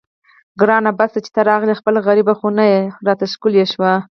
ګرانه بس چې ته راغلې خپله غریبه خونه راته ښکلې شوه.